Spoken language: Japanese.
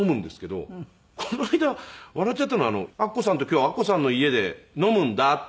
この間笑っちゃったのは「アッコさんと今日アッコさんの家で飲むんだ」って。